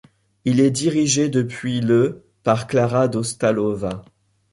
Il est dirigé depuis le par Klára Dostálová.